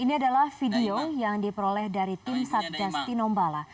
ini adalah video yang diperoleh dari tim satgas tinombala